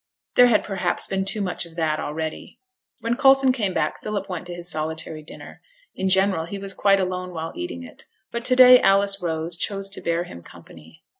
There had perhaps been too much of that already. When Coulson came back Philip went to his solitary dinner. In general he was quite alone while eating it; but to day Alice Rose chose to bear him company.